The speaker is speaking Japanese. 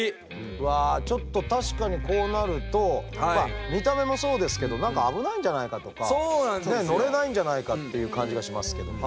うわちょっと確かにこうなると見た目もそうですけど何か危ないんじゃないかとか乗れないんじゃないかっていう感じがしますけども。